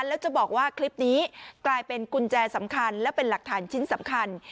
แล้วจะบอกว่าคลิปนี้กลายเป็นกุญแจสำคัญและเป็นหลักฐานชิ้นสำคัญ